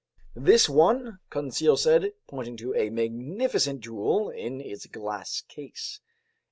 "This one?" Conseil said, pointing to a magnificent jewel in its glass case.